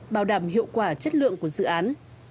bảo đảm hiệu quả chất lượng của dự án